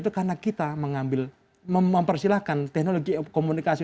itu karena kita mengambil mempersilahkan teknologi komunikasi